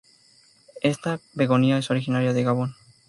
Esta "begonia" es originaria de Gabón.